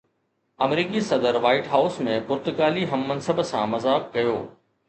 آمريڪي صدر White House ۾ پرتگالي هم منصب سان مذاق ڪيو